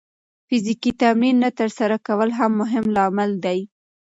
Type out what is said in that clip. فزیکي تمرین نه ترسره کول هم مهم لامل دی.